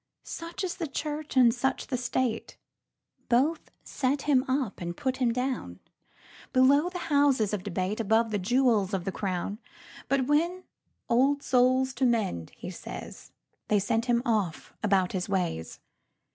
Such is the Church and such the State.Both set him up and put him down,—Below the houses of debate, Above the jewels of the crown. But when "Old souls to mend!" he says, They send him off about his ways.